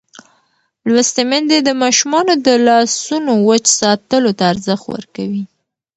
لوستې میندې د ماشومانو د لاسونو وچ ساتلو ته ارزښت ورکوي.